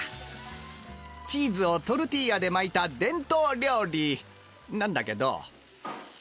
チーズをトルティーヤで巻いた伝統料理なんだけど。